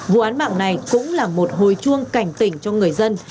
vụ án mạng này cũng là một hồi chuông cảnh tỉnh cho người dân